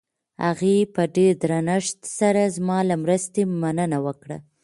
هغې په ډېر درنښت سره زما له مرستې مننه وکړه.